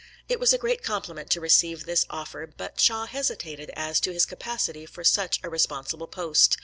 It was a great compliment to receive this offer, but Shaw hesitated as to his capacity for such a responsible post.